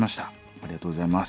ありがとうございます。